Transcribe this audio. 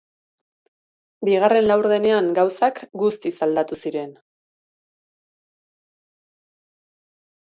Bigarren laurdenean gauzak guztiz aladtu ziren.